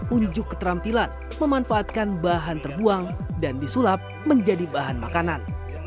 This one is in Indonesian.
unjuk keterampilan memanfaatkan bahan terbuang dan disulap menjadi bahan makanan